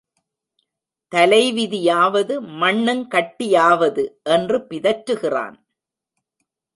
தலைவிதியாவது, மண்ணுங்கட்டியாவது என்று பிதற்றுகிறான்.